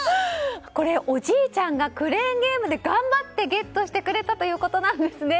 これ、おじいちゃんがクレーンゲームで頑張ってゲットしてくれたということなんですね。